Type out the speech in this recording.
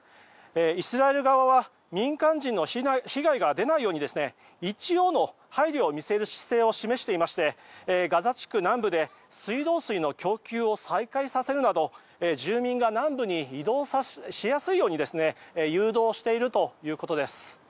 イスラエル側は民間人の被害が出ないように一応の配慮を見せる姿勢を示していましてガザ地区南部で水道水の供給を再開させるなど住民が南部に移動しやすいように誘導しているということです。